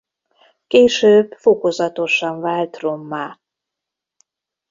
Később fokozatosan vált rommá.